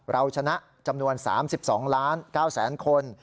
เราชนะจำนวน๓๒ล้าน๙แสนคน